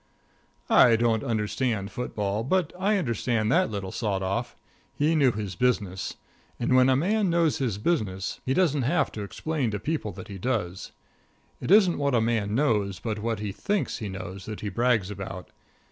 I didn't understand football, but I understood that little sawed off. He knew his business. And when a fellow knows his business, he doesn't have to explain to people that he does. It isn't what a man knows, but what he thinks he knows that he brags about.